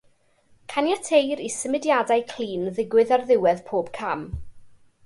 Caniateir i symudiadau clun ddigwydd ar ddiwedd pob cam.